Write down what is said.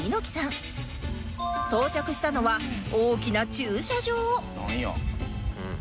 到着したのは大きな駐車場なんや？